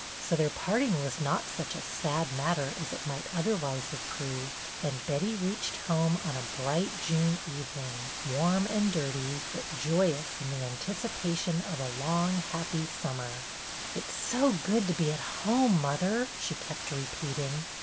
So their parting was not such a sad matter as it might otherwise have proved, and Betty reached home on a bright June evening, warm and dirty, but joyous in the anticipation of a long, happy summer. " It 's so good to be at home, mother," she kept repeating.